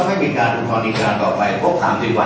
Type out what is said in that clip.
หนึ่งกระบาดสีแรงแรงหนึ่งกระบาดแล้วเราก็เงินจำเอ่อ